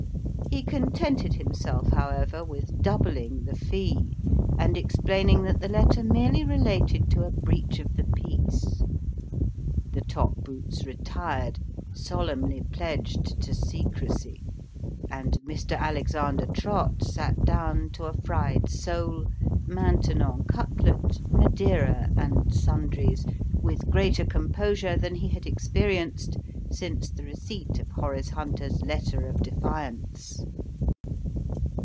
He contented himself, however, with doubling the fee and explaining that the letter merely related to a breach of the peace. The top boots retired, solemnly pledged to secrecy ; and Mr. Alexander Trott sat down to a fried sole, Maintenon cutlet, Madeira, and sundries, with greater composure than he had experienced since the receipt of Horace Hunter's letter of defiance.